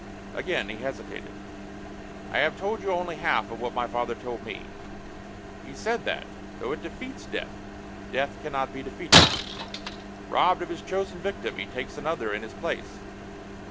Again he hesitated. "I have told you only half of what my father told me. He said that, though it defeats death, Death can not be defeated. Robbed of his chosen victim, he takes another in his place.